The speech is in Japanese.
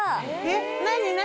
何何？